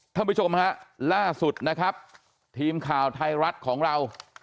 ท่านผู้ชมฮะล่าสุดนะครับทีมข่าวไทยรัฐของเรา